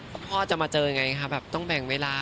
พ่อจะมาเจอยังไงคะแบบต้องแบ่งเวลา